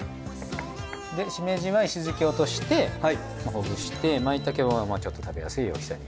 でしめじは石突を落としてほぐして舞茸もちょっと食べやすい大きさに。